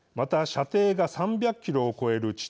射程が３００キロを超える地